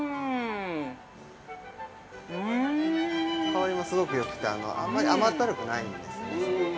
◆香りもすごくよくて、あんまり甘ったるくないんですね。